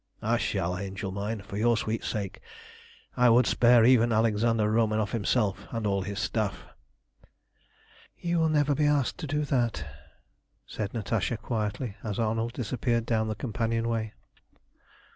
"It shall, angel mine! For your sweet sake I would spare even Alexander Romanoff himself and all his Staff." "You will never be asked to do that," said Natasha quietly, as Arnold disappeared down the companion way.